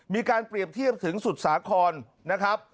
มีการเปรียบเทียบถึงสุดสาครนะครับ